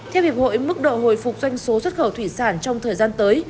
theo hiệp hội mức độ hồi phục doanh số xuất khẩu thủy sản trong thời gian tới